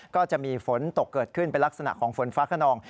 ก็จะมีฝนตกเกิดขึ้นเป็นลักษณะของฝนฟ้าขนอง